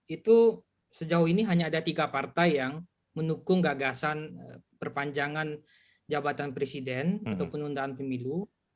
itu sejauh ini hanya ada tiga partai yang mendukung gagasan perpanjangan jabatan presiden atau penundaan pemilu